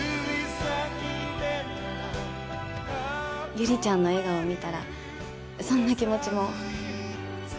悠里ちゃんの笑顔を見たらそんな気持ちも。